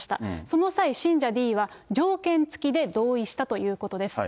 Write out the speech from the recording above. その際、信者Ｄは、条件付きで同意したということです。